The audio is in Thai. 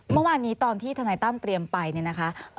เมื่อวานนี้ตอนที่ทนายตั้มเตรียมไปเนี่ยนะคะ